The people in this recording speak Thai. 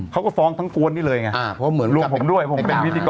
เขาก็ฟ้องทั้งกวนที่เลยไงรวมผมด้วยผมเป็นพิธีกร